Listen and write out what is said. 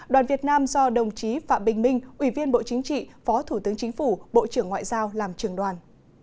đoàn việt nam do đồng chí phạm bình minh ủy viên bộ chính trị phó thủ tướng chính phủ bộ trưởng ngoại giao làm trường đoàn